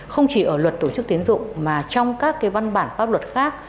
không chỉ ở luật tổ chức tiến dụng mà trong các văn bản pháp luật khác